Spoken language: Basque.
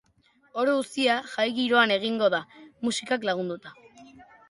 Hori guztia jai-giroan egingo da, musikak lagunduta.